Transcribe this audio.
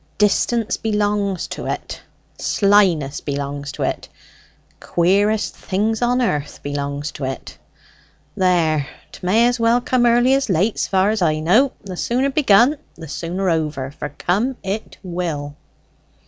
Distance belongs to it, slyness belongs to it, queerest things on earth belongs to it! There, 'tmay as well come early as late s'far as I know. The sooner begun, the sooner over; for come it will."